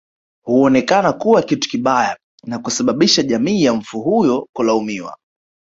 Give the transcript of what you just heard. Huonekana kuwa kitu kibaya na kusababisha jamii ya mfu huyo kulaumiwa